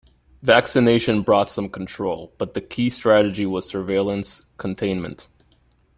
Vaccination brought some control, but the key strategy was "surveillance-containment".